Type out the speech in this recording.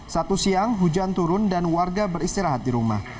satu siang hujan turun dan warga beristirahat di rumah